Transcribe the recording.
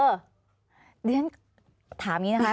ด้วยฉะนั้นถามอย่างนี้นะคะ